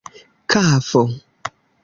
kafo